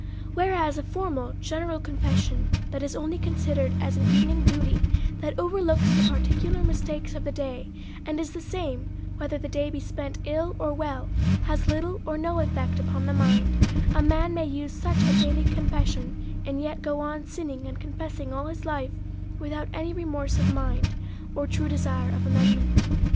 Whereas a formal, general confession, that is only considered as an evening duty, that overlooks the par ticular mistakes of the day, and is the same whether the day be spent ill or well, has little or no effect upon the mind ; a man may use such a daily confession, and yet go on sinning and confessing all his life, without any remorse of mind, or true desire of amendment.